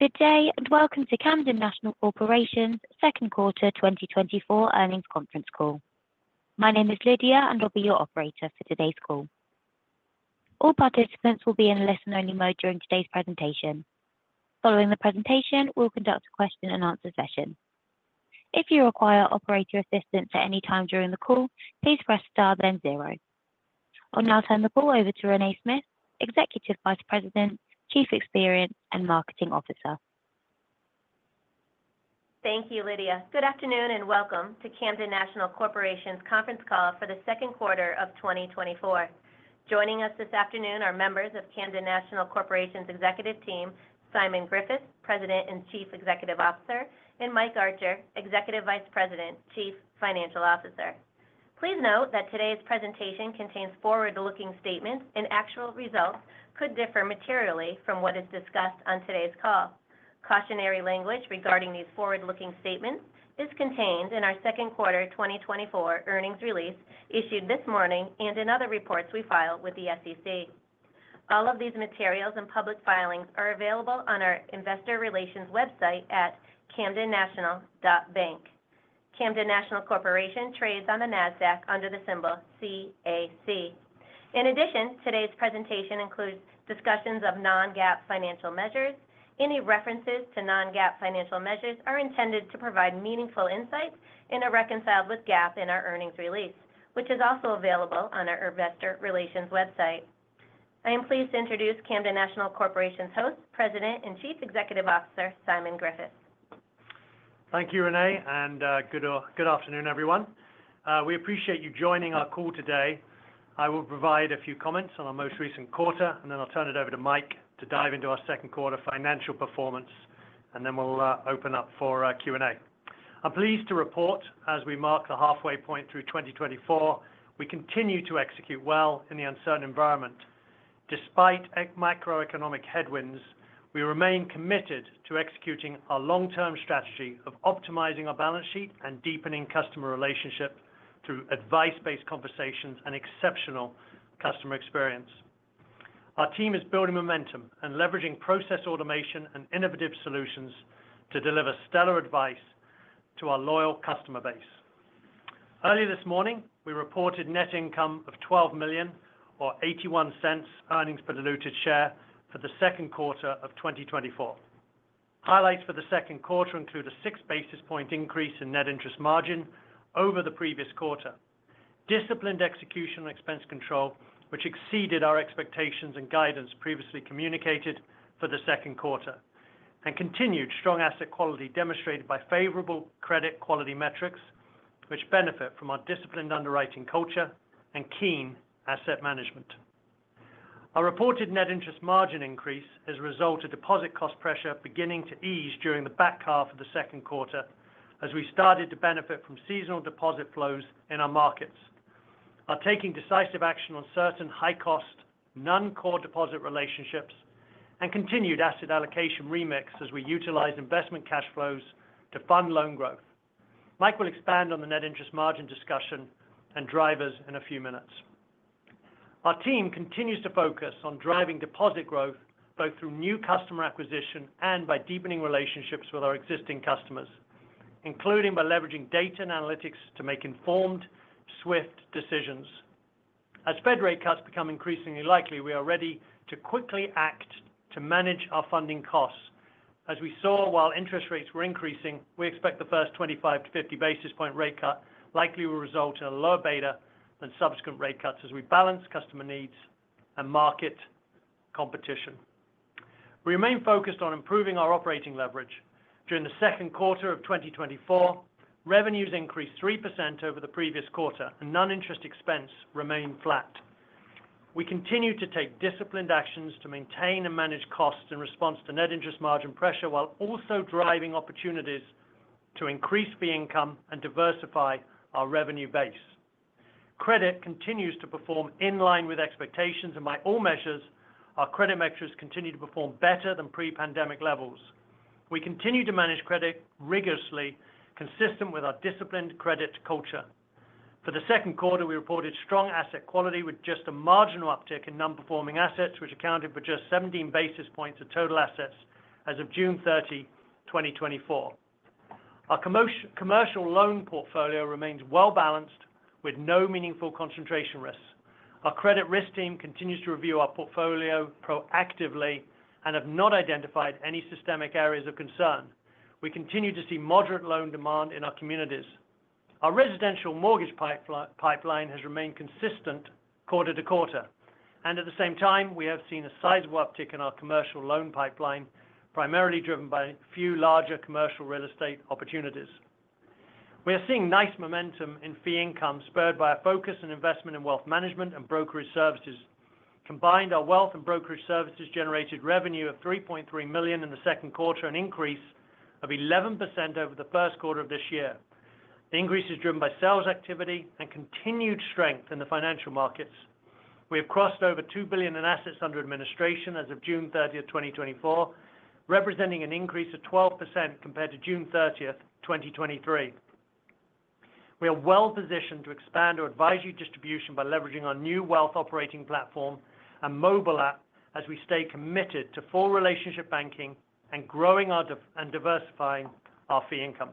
Good day, and welcome to Camden National Corporation's second quarter 2024 earnings conference call. My name is Lydia, and I'll be your operator for today's call. All participants will be in a listen-only mode during today's presentation. Following the presentation, we'll conduct a question-and-answer session. If you require operator assistance at any time during the call, please press star then zero. I'll now turn the call over to Renée Smyth, Executive Vice President, Chief Experience and Marketing Officer. Thank you, Lydia. Good afternoon, and welcome to Camden National Corporation's conference call for the second quarter of 2024. Joining us this afternoon are members of Camden National Corporation's executive team, Simon Griffiths, President and Chief Executive Officer, and Mike Archer, Executive Vice President, Chief Financial Officer. Please note that today's presentation contains forward-looking statements, and actual results could differ materially from what is discussed on today's call. Cautionary language regarding these forward-looking statements is contained in our second quarter 2024 earnings release issued this morning and in other reports we filed with the SEC. All of these materials and public filings are available on our investor relations website at camdennational.bank. Camden National Corporation trades on the NASDAQ under the symbol CAC. In addition, today's presentation includes discussions of non-GAAP financial measures. Any references to non-GAAP financial measures are intended to provide meaningful insights and are reconciled with GAAP in our earnings release, which is also available on our investor relations website. I am pleased to introduce Camden National Corporation's host, President and Chief Executive Officer, Simon Griffiths. Thank you, Renée, and good afternoon, everyone. We appreciate you joining our call today. I will provide a few comments on our most recent quarter, and then I'll turn it over to Mike to dive into our second quarter financial performance, and then we'll open up for our Q&A. I'm pleased to report, as we mark the halfway point through 2024, we continue to execute well in the uncertain environment. Despite macroeconomic headwinds, we remain committed to executing our long-term strategy of optimizing our balance sheet and deepening customer relationship through advice-based conversations and exceptional customer experience. Our team is building momentum and leveraging process automation and innovative solutions to deliver stellar advice to our loyal customer base. Early this morning, we reported net income of $12 million or $0.81 earnings per diluted share for the second quarter of 2024. Highlights for the second quarter include a six basis point increase in net interest margin over the previous quarter. Disciplined execution and expense control, which exceeded our expectations and guidance previously communicated for the second quarter, and continued strong asset quality demonstrated by favorable credit quality metrics, which benefit from our disciplined underwriting culture and keen asset management. Our reported net interest margin increase is a result of deposit cost pressure beginning to ease during the back half of the second quarter as we started to benefit from seasonal deposit flows in our markets, are taking decisive action on certain high-cost, non-core deposit relationships, and continued asset allocation remix as we utilize investment cash flows to fund loan growth. Mike will expand on the net interest margin discussion and drivers in a few minutes. Our team continues to focus on driving deposit growth, both through new customer acquisition and by deepening relationships with our existing customers, including by leveraging data and analytics to make informed, swift decisions. As Fed rate cuts become increasingly likely, we are ready to quickly act to manage our funding costs. As we saw, while interest rates were increasing, we expect the first 25-50 basis point rate cut likely will result in a lower beta than subsequent rate cuts as we balance customer needs and market competition. We remain focused on improving our operating leverage. During the second quarter of 2024, revenues increased 3% over the previous quarter, and non-interest expense remained flat. We continue to take disciplined actions to maintain and manage costs in response to net interest margin pressure, while also driving opportunities to increase fee income and diversify our revenue base. Credit continues to perform in line with expectations, and by all measures, our credit metrics continue to perform better than pre-pandemic levels. We continue to manage credit rigorously, consistent with our disciplined credit culture. For the second quarter, we reported strong asset quality with just a marginal uptick in non-performing assets, which accounted for just 17 basis points of total assets as of June 30, 2024. Our commercial loan portfolio remains well-balanced, with no meaningful concentration risks. Our credit risk team continues to review our portfolio proactively and have not identified any systemic areas of concern. We continue to see moderate loan demand in our communities. Our residential mortgage pipeline has remained consistent quarter to quarter, and at the same time, we have seen a sizable uptick in our commercial loan pipeline, primarily driven by a few larger commercial real estate opportunities. We are seeing nice momentum in fee income, spurred by a focus on investment in wealth management and brokerage services. Combined, our wealth and brokerage services generated revenue of $3.3 million in the second quarter, an increase of 11% over the first quarter of this year. The increase is driven by sales activity and continued strength in the financial markets. We have crossed over $2 billion in assets under administration as of June 30, 2024, representing an increase of 12% compared to June 30, 2023. We are well positioned to expand our advisory distribution by leveraging our new wealth operating platform and mobile app as we stay committed to full relationship banking and growing our and diversifying our fee income.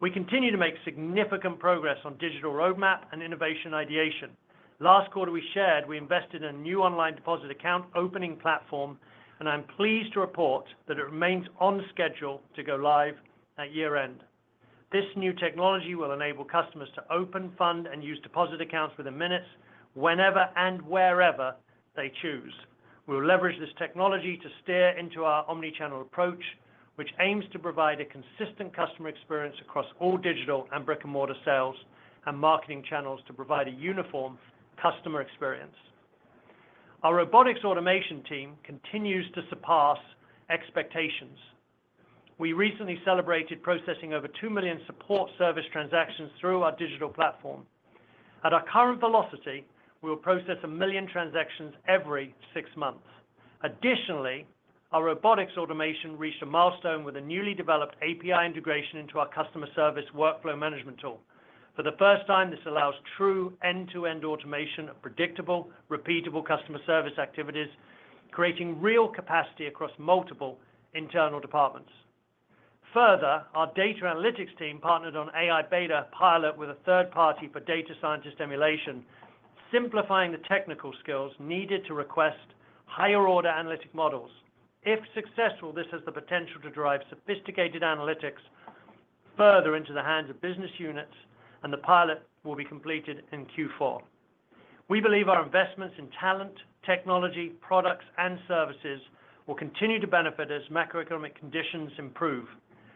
We continue to make significant progress on digital roadmap and innovation ideation. Last quarter, we shared we invested in a new online deposit account opening platform, and I'm pleased to report that it remains on schedule to go live at year-end. This new technology will enable customers to open, fund, and use deposit accounts within minutes, whenever and wherever they choose. We will leverage this technology to steer into our omni-channel approach, which aims to provide a consistent customer experience across all digital and brick-and-mortar sales and marketing channels to provide a uniform customer experience. Our robotics automation team continues to surpass expectations. We recently celebrated processing over two million support service transactions through our digital platform. At our current velocity, we will process one million transactions every six months. Additionally, our robotics automation reached a milestone with a newly developed API integration into our customer service workflow management tool. For the first time, this allows true end-to-end automation of predictable, repeatable customer service activities, creating real capacity across multiple internal departments. Further, our data analytics team partnered on AI beta pilot with a third party for data scientist emulation, simplifying the technical skills needed to request higher-order analytic models. If successful, this has the potential to drive sophisticated analytics further into the hands of business units, and the pilot will be completed in Q4. We believe our investments in talent, technology, products, and services will continue to benefit as macroeconomic conditions improve,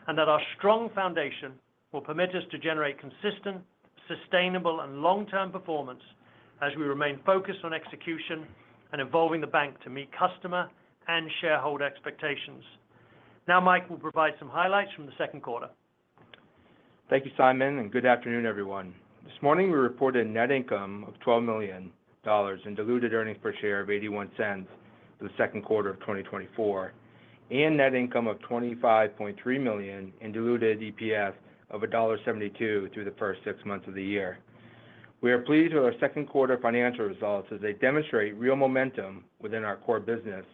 and that our strong foundation will permit us to generate consistent, sustainable, and long-term performance as we remain focused on execution and evolving the bank to meet customer and shareholder expectations. Now, Mike will provide some highlights from the second quarter. Thank you, Simon, and good afternoon, everyone. This morning, we reported net income of $12 million and diluted earnings per share of $0.81 for the second quarter of 2024, and net income of $25.3 million in diluted EPS of $1.72 through the first six months of the year. We are pleased with our second quarter financial results, as they demonstrate real momentum within our core business,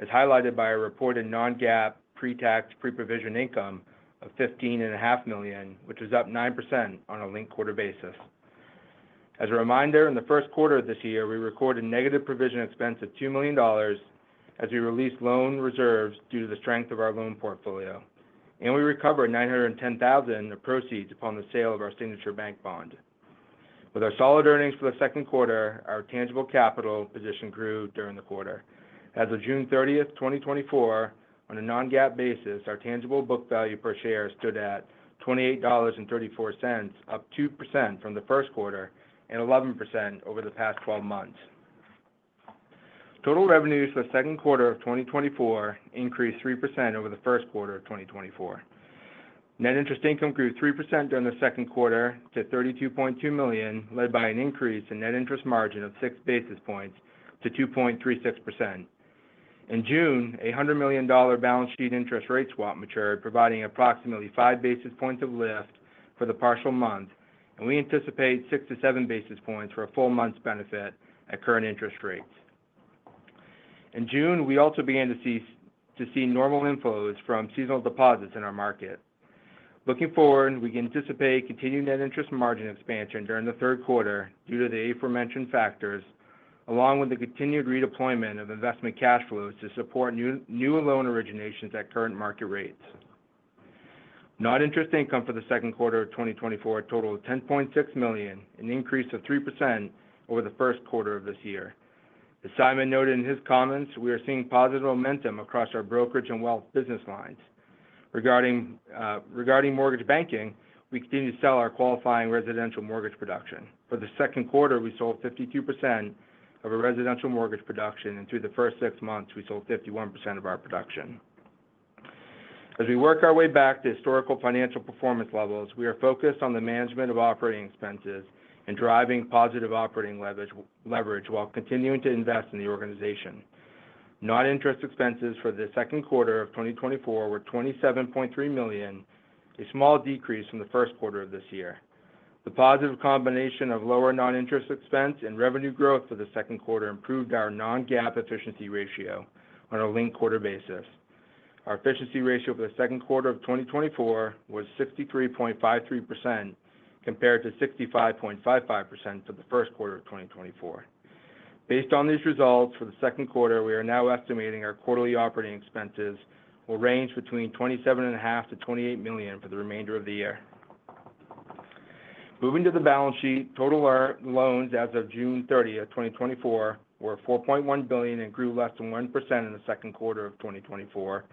as highlighted by a reported non-GAAP, pre-tax, pre-provision income of $15.5 million, which is up 9% on a linked quarter basis. As a reminder, in the first quarter of this year, we recorded negative provision expense of $2 million as we released loan reserves due to the strength of our loan portfolio, and we recovered $910,000 of proceeds upon the sale of our Signature Bank bond. With our solid earnings for the second quarter, our tangible capital position grew during the quarter. As of June 30th, 2024, on a non-GAAP basis, our tangible book value per share stood at $28.34, up 2% from the first quarter and 11% over the past 12 months. Total revenues for the second quarter of 2024 increased 3% over the first quarter of 2024. Net interest income grew 3% during the second quarter to $32.2 million, led by an increase in net interest margin of six basis points to 2.36%. In June, a $100 million balance sheet interest rate swap matured, providing approximately five basis points of lift for the partial month, and we anticipate six to seven basis points for a full month's benefit at current interest rates. In June, we also began to see normal inflows from seasonal deposits in our market. Looking forward, we can anticipate continued net interest margin expansion during the third quarter due to the aforementioned factors, along with the continued redeployment of investment cash flows to support new loan originations at current market rates. Non-interest income for the second quarter of 2024 totaled $10.6 million, an increase of 3% over the first quarter of this year. As Simon noted in his comments, we are seeing positive momentum across our brokerage and wealth business lines. Regarding mortgage banking, we continue to sell our qualifying residential mortgage production. For the second quarter, we sold 52% of our residential mortgage production, and through the first six months, we sold 51% of our production. As we work our way back to historical financial performance levels, we are focused on the management of operating expenses and driving positive operating leverage while continuing to invest in the organization. Non-interest expenses for the second quarter of 2024 were $27.3 million, a small decrease from the first quarter of this year. The positive combination of lower non-interest expense and revenue growth for the second quarter improved our non-GAAP efficiency ratio on a linked quarter basis. Our efficiency ratio for the second quarter of 2024 was 63.53%, compared to 65.55% for the first quarter of 2024. Based on these results, for the second quarter, we are now estimating our quarterly operating expenses will range between $27.5 million-$28 million for the remainder of the year. Moving to the balance sheet, total loans as of June 30th, 2024, were $4.1 billion and grew less than 1% in the second quarter of 2024,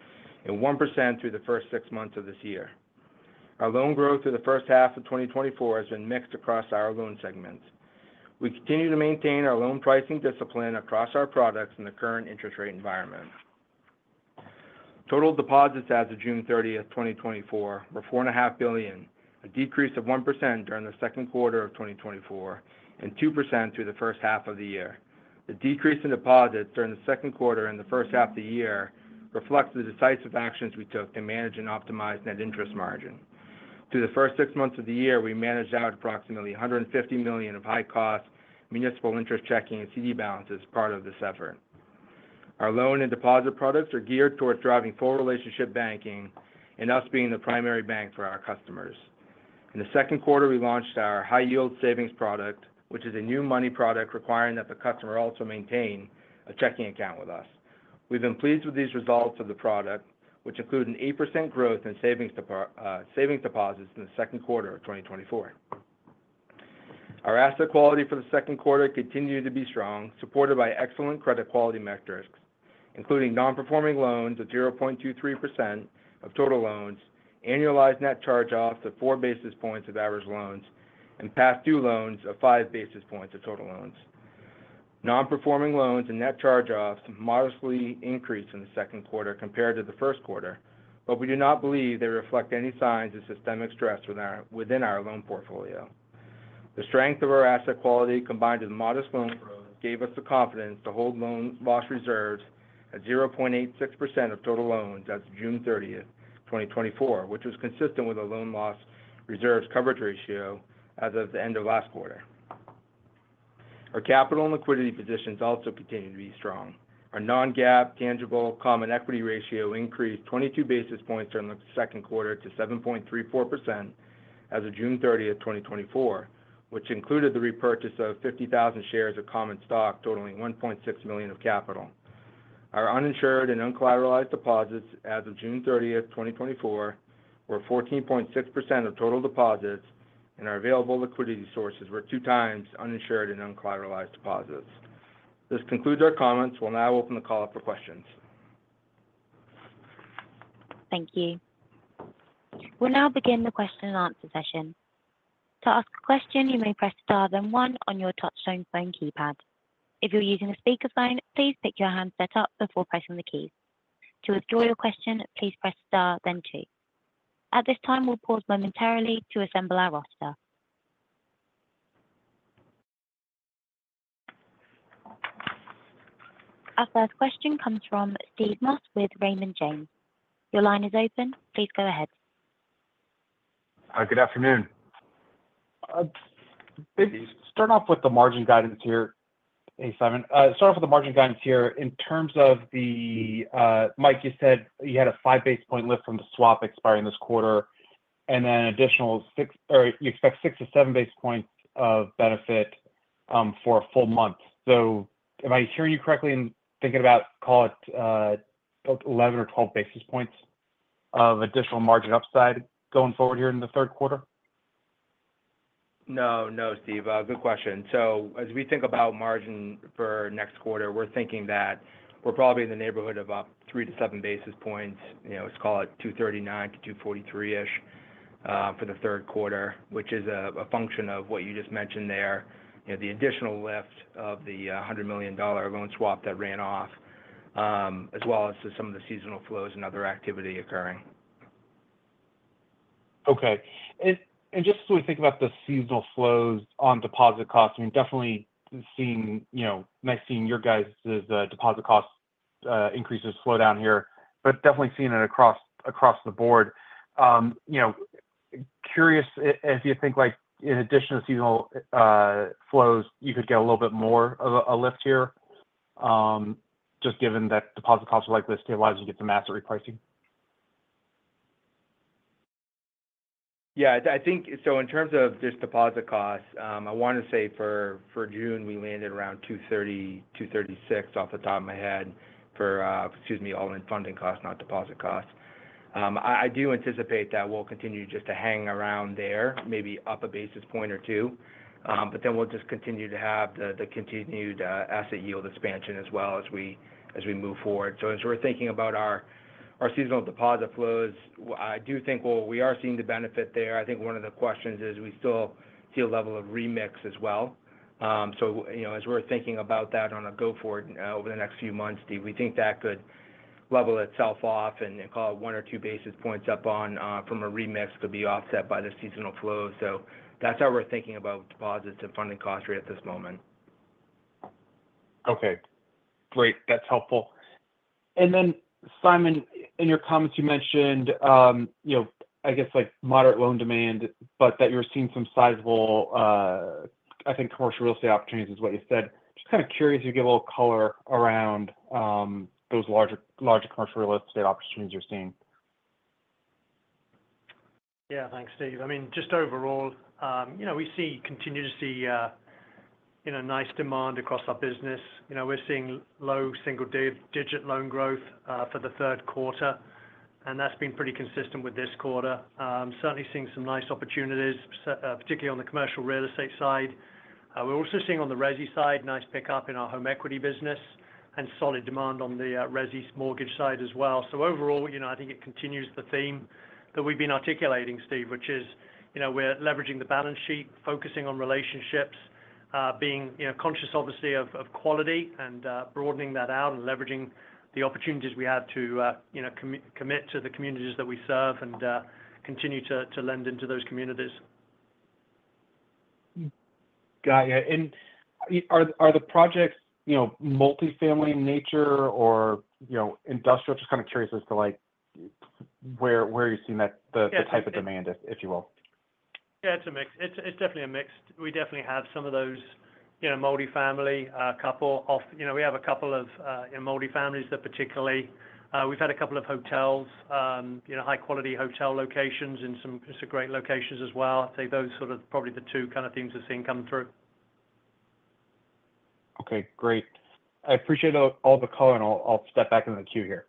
and 1% through the first six months of this year. Our loan growth through the first half of 2024 has been mixed across our loan segments. We continue to maintain our loan pricing discipline across our products in the current interest rate environment. Total deposits as of June 30th, 2024, were $4.5 billion, a decrease of 1% during the second quarter of 2024, and 2% through the first half of the year. The decrease in deposits during the second quarter and the first half of the year reflects the decisive actions we took to manage and optimize net interest margin. Through the first six months of the year, we managed out approximately $150 million of high-cost municipal interest checking and CD balances as part of this effort. Our loan and deposit products are geared towards driving full relationship banking and us being the primary bank for our customers. In the second quarter, we launched our high-yield savings product, which is a new money product requiring that the customer also maintain a checking account with us. We've been pleased with these results of the product, which include an 8% growth in savings deposits in the second quarter of 2024. Our asset quality for the second quarter continued to be strong, supported by excellent credit quality metrics, including non-performing loans of 0.23% of total loans, annualized net charge-offs of four basis points of average loans, and past due loans of five basis points of total loans. Non-performing loans and net charge-offs modestly increased in the second quarter compared to the first quarter, but we do not believe they reflect any signs of systemic stress within our loan portfolio. The strength of our asset quality, combined with modest loan growth, gave us the confidence to hold loan loss reserves at 0.86% of total loans as of June 30th, 2024, which was consistent with a loan loss reserves coverage ratio as of the end of last quarter. Our capital and liquidity positions also continue to be strong. Our non-GAAP tangible common equity ratio increased 22 basis points during the second quarter to 7.34% as of June 30th, 2024, which included the repurchase of 50,000 shares of common stock, totaling $1.6 million of capital. Our uninsured and uncollateralized deposits as of June 30th, 2024, were 14.6% of total deposits, and our available liquidity sources were two times uninsured and uncollateralized deposits. This concludes our comments. We'll now open the call up for questions. Thank you. We'll now begin the question and answer session. To ask a question, you may press star, then one on your touchtone phone keypad. If you're using a speakerphone, please pick your handset up before pressing the key. To withdraw your question, please press star, then two. At this time, we'll pause momentarily to assemble our roster. Our first question comes from Steve Moss with Raymond James. Your line is open. Please go ahead. Hi, good afternoon. Maybe start off with the margin guidance here. Hey, Simon. Start off with the margin guidance here. In terms of the, Mike, you said you had a five basis point lift from the swap expiring this quarter, and then an additional six or you expect six to seven basis points of benefit, for a full month. So am I hearing you correctly in thinking about, call it, 11 or 12 basis points of additional margin upside going forward here in the third quarter? No, no, Steve. Good question. So as we think about margin for next quarter, we're thinking that we're probably in the neighborhood of about three to seven basis points. You know, let's call it 2.39-2.43-ish, for the third quarter, which is a, a function of what you just mentioned there. You know, the additional lift of the, $100 million loan swap that ran off, as well as some of the seasonal flows and other activity occurring. Okay. And just as we think about the seasonal flows on deposit costs, I mean, definitely seeing, you know, nice seeing your guys's deposit cost increases slow down here, but definitely seeing it across, across the board. You know, curious if, if you think, like, in addition to seasonal flows, you could get a little bit more of a lift here, just given that deposit costs are likely to stabilize as you get the master repricing. Yeah, I think, so in terms of just deposit costs, I want to say for June, we landed around 2.30, 2.36 off the top of my head for, excuse me, all-in funding costs, not deposit costs. I do anticipate that we'll continue just to hang around there, maybe up a basis point or two, but then we'll just continue to have the continued asset yield expansion as well as we move forward. So as we're thinking about our seasonal deposit flows, I do think we'll, we are seeing the benefit there. I think one of the questions is, we still see a level of remix as well. So, you know, as we're thinking about that on a go forward, over the next few months, Steve, we think that could level itself off and call it one or two basis points up on, from a remix could be offset by the seasonal flow. So that's how we're thinking about deposits and funding cost rate at this moment. Okay, great. That's helpful. And then, Simon, in your comments, you mentioned, you know, I guess like moderate loan demand, but that you're seeing some sizable, I think commercial real estate opportunities is what you said. Just kind of curious if you could give a little color around those larger, larger commercial real estate opportunities you're seeing. Yeah. Thanks, Steve. I mean, just overall, you know, we continue to see, you know, nice demand across our business. You know, we're seeing low single-digit loan growth for the third quarter, and that's been pretty consistent with this quarter. Certainly seeing some nice opportunities, particularly on the commercial real estate side. We're also seeing on the resi side, nice pickup in our home equity business and solid demand on the resi mortgage side as well. So overall, you know, I think it continues the theme that we've been articulating, Steve, which is, you know, we're leveraging the balance sheet, focusing on relationships, being, you know, conscious obviously of quality and broadening that out and leveraging the opportunities we have to, you know, commit to the communities that we serve and continue to lend into those communities.... Got you. Are the projects, you know, multifamily in nature or, you know, industrial? Just kind of curious as to, like, where you are seeing that, the type of demand, if you will? Yeah, it's a mix. It's definitely a mix. We definitely have some of those, you know, multifamily, a couple of. You know, we have a couple of, you know, multifamilies that particularly, we've had a couple of hotels, you know, high-quality hotel locations in some great locations as well. I'd say those are sort of probably the two kind of themes we're seeing come through. Okay, great. I appreciate all the color, and I'll step back in the queue here.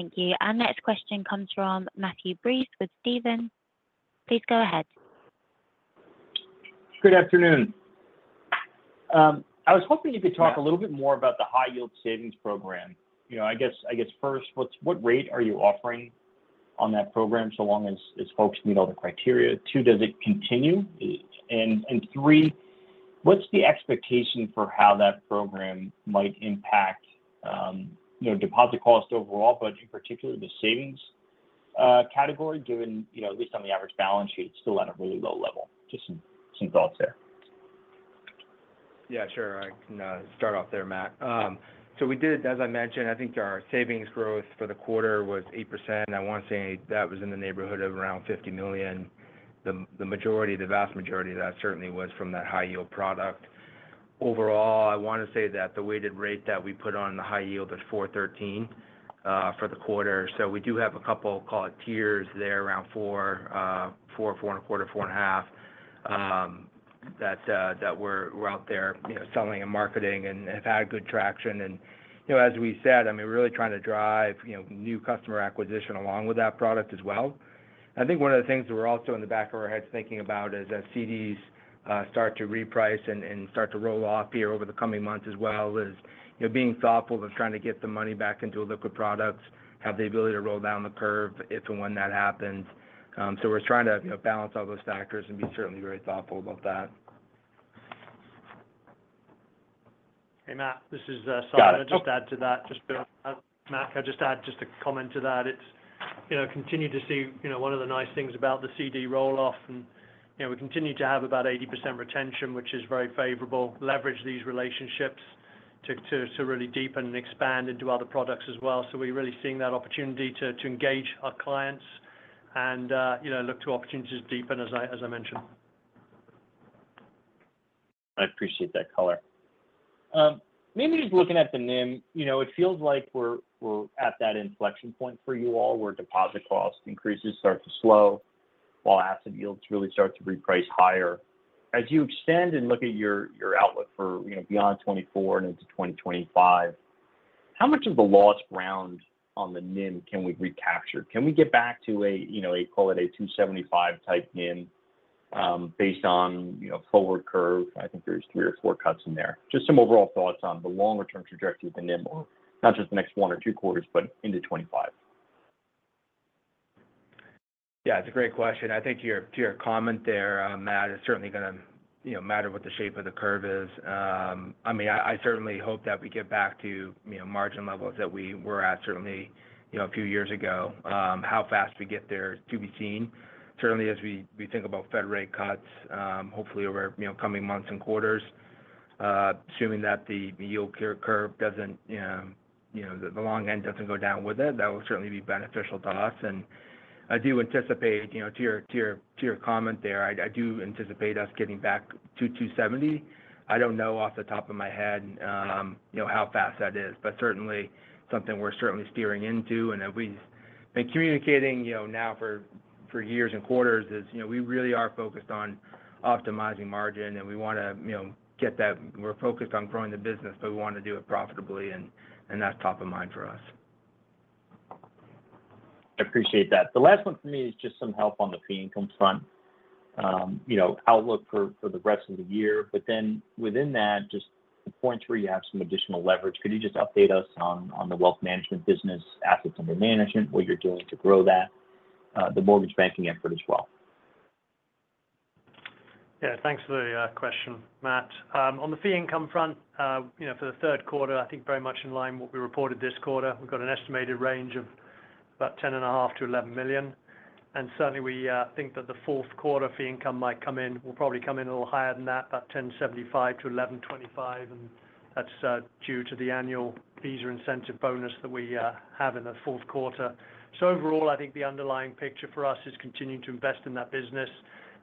Thank you. Our next question comes from Matthew Breese with Stephens. Please go ahead. Good afternoon. I was hoping you could talk- Yeah... a little bit more about the high yield savings program. You know, I guess, I guess first, what rate are you offering on that program, so long as folks meet all the criteria? Two, does it continue? And three, what's the expectation for how that program might impact, you know, deposit costs overall, but in particularly the savings category, given, you know, at least on the average balance sheet, it's still at a really low level? Just some thoughts there. Yeah, sure. I can start off there, Matt. So we did, as I mentioned, I think our savings growth for the quarter was 8%. I want to say that was in the neighborhood of around $50 million. The majority, the vast majority of that certainly was from that high-yield product. Overall, I want to say that the weighted rate that we put on the high yield is 4.13% for the quarter. So we do have a couple, call it, tiers there, around 4%, 4.25%, 4.5%, that we're out there, you know, selling and marketing and have had good traction. And, you know, as we said, I mean, we're really trying to drive, you know, new customer acquisition along with that product as well. I think one of the things that we're also in the back of our heads thinking about is as CDs start to reprice and start to roll off here over the coming months as well, you know, being thoughtful of trying to get the money back into a liquid product, have the ability to roll down the curve if and when that happens. So we're trying to, you know, balance all those factors and be certainly very thoughtful about that. Hey, Matt, this is Simon. Got it. Okay. Just to add to that, Matt, can I just add a comment to that? It's, you know, continue to see, you know, one of the nice things about the CD roll-off, and, you know, we continue to have about 80% retention, which is very favorable. Leverage these relationships to really deepen and expand into other products as well. So we're really seeing that opportunity to engage our clients and, you know, look to opportunities to deepen, as I mentioned. I appreciate that color. Maybe just looking at the NIM, you know, it feels like we're, we're at that inflection point for you all, where deposit cost increases start to slow, while asset yields really start to reprice higher. As you extend and look at your, your outlook for, you know, beyond 2024 and into 2025, how much of the lost ground on the NIM can we recapture? Can we get back to a, you know, a, call it, a 275 type NIM, based on, you know, forward curve? I think there's three or four cuts in there. Just some overall thoughts on the longer term trajectory of the NIM, not just the next one or two quarters, but into 2025. Yeah, it's a great question. I think to your, to your comment there, Matt, it's certainly gonna, you know, matter what the shape of the curve is. I mean, I certainly hope that we get back to, you know, margin levels that we were at, certainly, you know, a few years ago. How fast we get there is to be seen. Certainly, as we think about Fed rate cuts, hopefully over, you know, coming months and quarters, assuming that the yield curve doesn't, you know, the long end doesn't go down with it, that will certainly be beneficial to us. And I do anticipate, you know, to your, to your, to your comment there, I do anticipate us getting back to 270. I don't know off the top of my head, you know, how fast that is, but certainly something we're certainly steering into. As we've been communicating, you know, now for years and quarters, you know, we really are focused on optimizing margin, and we want to, you know, get that... We're focused on growing the business, but we want to do it profitably, and that's top of mind for us. I appreciate that. The last one for me is just some help on the fee income front. You know, outlook for the rest of the year, but then within that, just the points where you have some additional leverage. Could you just update us on the wealth management business, assets under management, what you're doing to grow that, the mortgage banking effort as well? Yeah, thanks for the question, Matt. On the fee income front, you know, for the third quarter, I think very much in line with what we reported this quarter. We've got an estimated range of about $10.5 million-$11 million, and certainly we think that the fourth quarter fee income might come in- will probably come in a little higher than that, about $10.75 million-$11.25 million, and that's due to the annual Visa incentive bonus that we have in the fourth quarter. So overall, I think the underlying picture for us is continuing to invest in that business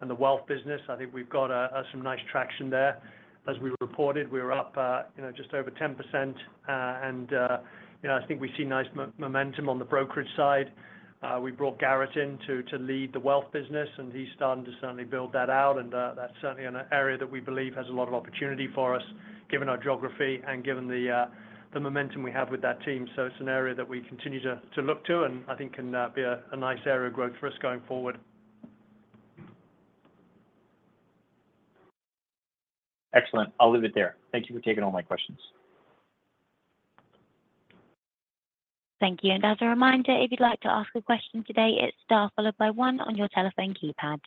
and the wealth business. I think we've got some nice traction there. As we reported, we're up, you know, just over 10%, and, you know, I think we see nice mo- momentum on the brokerage side. We brought Garrett in to lead the wealth business, and he's starting to certainly build that out, and that's certainly an area that we believe has a lot of opportunity for us, given our geography and given the momentum we have with that team. So it's an area that we continue to look to, and I think can be a nice area of growth for us going forward. Excellent. I'll leave it there. Thank you for taking all my questions. Thank you. As a reminder, if you'd like to ask a question today, it's star, followed by one on your telephone keypad.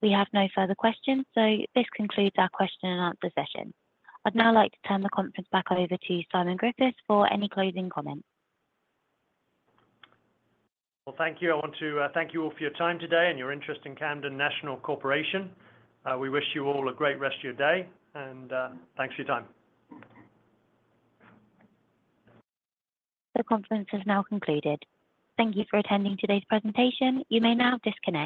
We have no further questions, so this concludes our question and answer session. I'd now like to turn the conference back over to Simon Griffiths for any closing comments. Well, thank you. I want to thank you all for your time today and your interest in Camden National Corporation. We wish you all a great rest of your day, and thanks for your time. The conference is now concluded. Thank you for attending today's presentation. You may now disconnect.